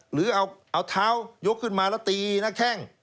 หรือเอาเท้ายกขึ้นมาแล้วตีหน้าแข้ง